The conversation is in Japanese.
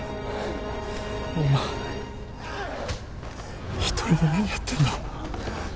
お前一人で何やってんだ！